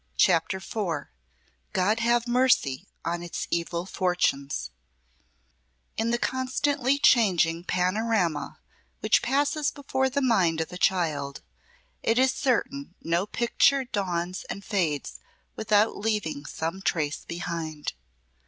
CHAPTER IV "God Have Mercy on its Evil Fortunes" In the constantly changing panorama which passes before the mind of a child, it is certain no picture dawns and fades without leaving some trace behind.